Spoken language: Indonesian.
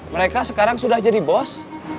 mereka sekarang sudah jadi bos